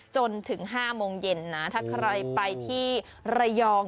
จนถึง๕โมงเย็นนะถ้าใครไปที่ระยอง